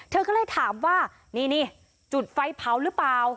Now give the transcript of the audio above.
เธอก็เลยถามว่านี่จุดไฟเผาหรือเปล่า